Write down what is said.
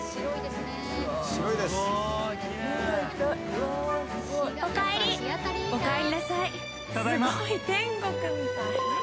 すごい。何？